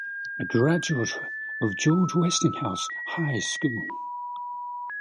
A graduate of George Westinghouse High School.